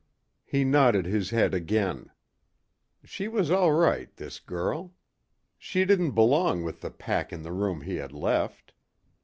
He nodded his head again. She was all right this girl. She didn't belong with the pack in the room he had left.